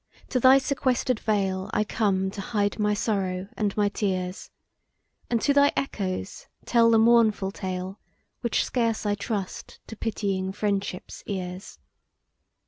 to thy sequester'd vale I come to hide my sorrow and my tears, And to thy echoes tell the mournful tale Which scarce I trust to pitying Friendship's ears.